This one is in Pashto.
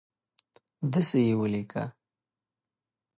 دسي یې ولیکه